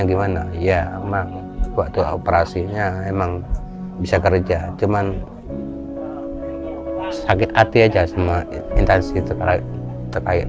gimana ya emang waktu operasinya emang bisa kerja cuman sakit hati aja sama intansi terkait